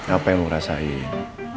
apa yang kamu rasain